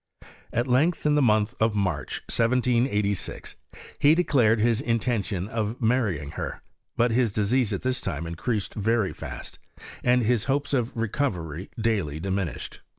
At length, in the mouth of March, 1786, be declared his intention of marrying her ; but his disease at this time increased very fast, and Iub hopes of recovery daily diminished.